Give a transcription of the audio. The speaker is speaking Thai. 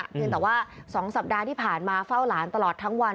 เพียงแต่ว่า๒สัปดาห์ที่ผ่านมาเฝ้าหลานตลอดทั้งวัน